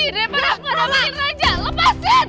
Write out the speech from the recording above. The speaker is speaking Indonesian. daripada aku nama namain raja lepasin